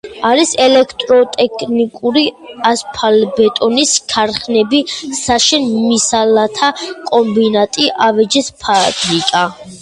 არის ელექტროტექნიკური, ასფალტბეტონის ქარხნები, საშენ მასალათა კომბინატი, ავეჯის ფაბრიკა.